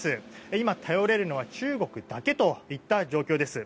今、頼れるのは中国だけといった状況です。